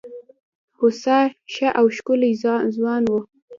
هوسا ښه او ښکلی ځوان وو.